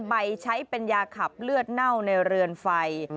ใบใช้เป็นยาขับเลือดเน่าในเรือนไฟ